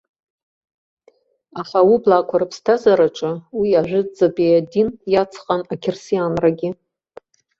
Аха аублаақәа рыԥсҭазаараҿы уи ажәытәӡатәи адин иацҟан ақьырсианрагьы.